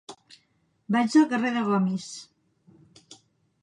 Vaig al carrer de Gomis.